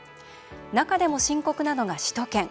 中でも深刻なのが首都圏。